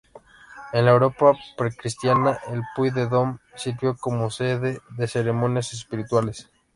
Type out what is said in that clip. En la Europa pre-cristiana, el Puy de Dôme sirvió como sede de ceremonias espirituales.